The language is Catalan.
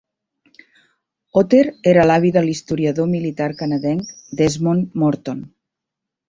Otter era l"avi de l"historiador militar canadenc Desmond Morton.